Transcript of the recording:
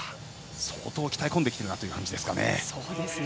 相当鍛え込んできている感じですね。